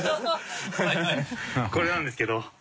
これなんですけど。